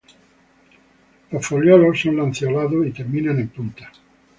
Los foliolos son lanceolados y terminan en punta.